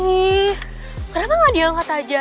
nih kenapa gak diangkat aja